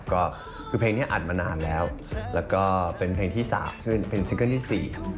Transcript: ก็คือเพลงนี้อัดมานานแล้วแล้วก็เป็นเพลงที่๓ขึ้นเป็นซิงเกิ้ลที่๔